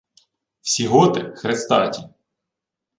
— Всі готи — хрестаті.